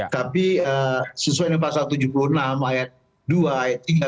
tapi sesuai dengan pasal tujuh puluh enam ayat dua ayat tiga